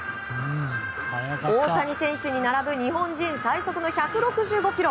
大谷選手に並ぶ日本人最速の１６５キロ。